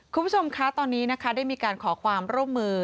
คุณผู้ชมคะตอนนี้นะคะได้มีการขอความร่วมมือ